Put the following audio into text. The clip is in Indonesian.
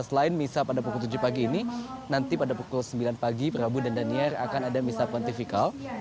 selain misa pada pukul tujuh pagi ini nanti pada pukul sembilan pagi prabu dan daniar akan ada misa pontifikal